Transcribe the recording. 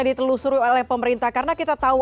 ditelusuri oleh pemerintah karena kita tahu